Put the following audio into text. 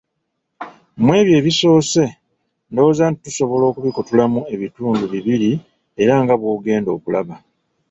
Mu ebyo ebisoose, ndowooza nti tusobola okubikutulamu ebitundu bibiri era nga bw'ogenda okulaba.